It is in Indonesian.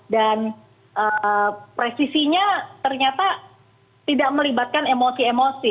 dan presisinya ternyata tidak melibatkan emosi emosi